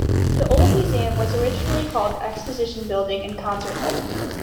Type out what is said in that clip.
The Old Museum was originally called the Exhibition Building and Concert Hall.